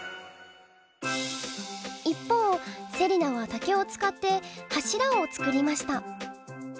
一方セリナは竹を使って柱を作りました。